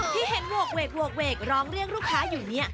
ที่เห็นโหกเวกร้องเรียกลูกค้าอยู่เนี่ย